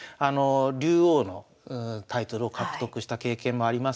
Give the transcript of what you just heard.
竜王のタイトルを獲得した経験もあります